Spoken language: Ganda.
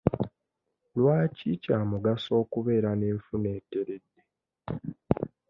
Lwaki kya mugaso okubeera n'enfuna eteredde?